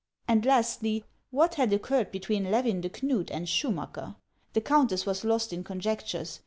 And lastly, what had occurred between Levin de Knud and Schumacker? The countess was lost in conjectures.